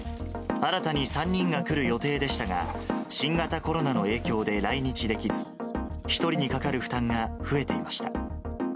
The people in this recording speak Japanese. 新たに３人が来る予定でしたが、新型コロナの影響で来日できず、１人にかかる負担が増えていました。